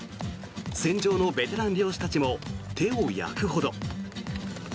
船上のベテラン漁師たちも手を焼くほど。